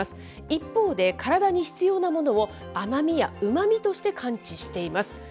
一方で、体に必要なものを甘みやうまみとして感知しています。